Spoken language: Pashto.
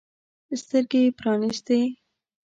سترګې يې پرانیستې.